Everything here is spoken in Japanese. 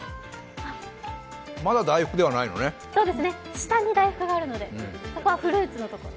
下に大福があるので、そこはフルーツのところ。